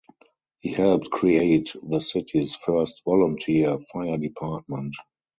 He helped create the city's first volunteer fire department.